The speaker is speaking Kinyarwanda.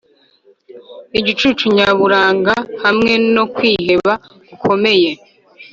igicucu nyaburanga hamwe no kwiheba gukomeye;